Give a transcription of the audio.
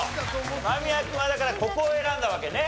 間宮君はだからここを選んだわけね。